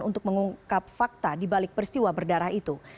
untuk mengungkap fakta di balik peristiwa berdarah itu